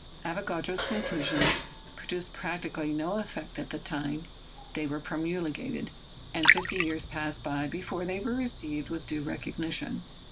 Avogadro's conclusions produced practically no effect at the time they were promulgated, and fifty years passed by before they were received with due recognition.